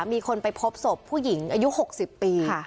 มีคนไปพบศพผู้หญิงอายุ๖๐ปี